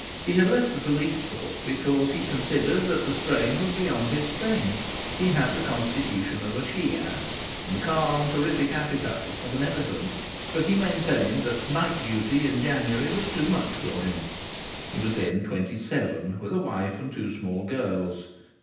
He had left the police force because he considered that the strain was beyond his strength. He had the constitution of a she ass, and the calm, terrific appetite of an elephant; but he maintained that night duty in January was too much for him. He was then twenty seven, with a wife and two small girls.